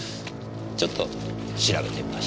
ちょっと調べてみましょう。